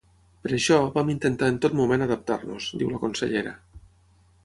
Per això, vam intentar en tot moment adaptar-nos, diu la consellera.